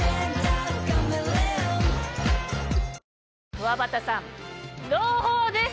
くわばたさん朗報です！